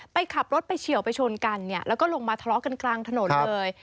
ไปขับรถไปเฉียวไปชนกันเนี่ยแล้วก็ลงมาทะเลาะกันกลางถนนเลย